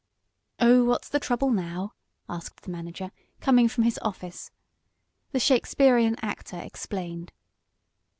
"Oh, what's the trouble now?" asked the manager, coming from his office. The Shakespearean actor explained.